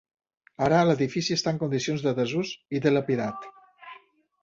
Ara l'edifici està en condicions de desús i dilapidat.